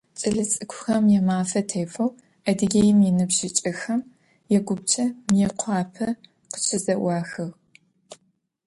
Кӏэлэцӏыкӏухэм я Мафэ тефэу Адыгеим иныбжьыкӏэхэм я Гупчэ Мыекъуапэ къыщызэӏуахыгъ.